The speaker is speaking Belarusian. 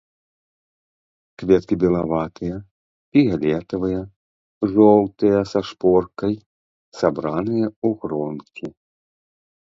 Кветкі белаватыя, фіялетавыя, жоўтыя са шпоркай, сабраныя ў гронкі.